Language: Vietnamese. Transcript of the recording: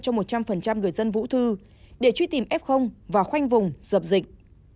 cho một trăm linh người dân vũ thư để truy tìm f và khoanh vùng dập dịch